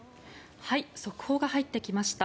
速報が入ってきました。